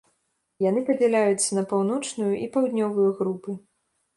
Яны падзяляюцца на паўночную і паўднёвую групы.